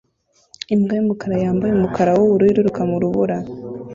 Imbwa yumukara yambaye umukara wubururu iriruka mu rubura